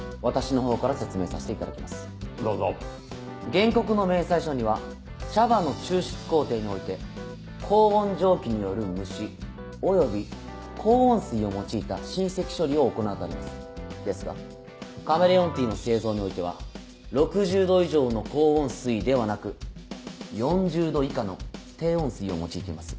原告の明細書には茶葉の抽出工程において「『高温蒸気による蒸し』および『高温水を用いた浸漬処理』」を行うとありますですがカメレオンティーの製造においては６０℃以上の高温水ではなく４０℃以下の低温水を用いています。